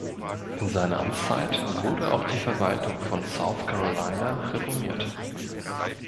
In seiner Amtszeit wurde auch die Verwaltung von South Carolina reformiert.